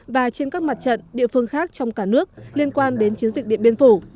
và trên các mặt trận địa phương khác trong cả nước liên quan đến chiến dịch điện biên phủ